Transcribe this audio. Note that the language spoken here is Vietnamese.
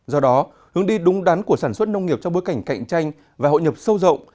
do đó hướng đi đúng đắn của sản xuất nông nghiệp trong bối cảnh cạnh tranh và hội nhập sâu rộng